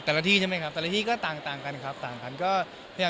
แต่ละที่ใช่ไหมครับแต่ละที่ก็ต่างกันครับก็เรียกตัวเหตุให้ฟังไปให้ทุกพี่ครับ